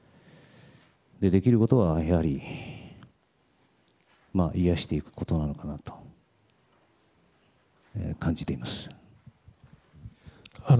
できることはやはり癒やしていくことなのかなと感じています。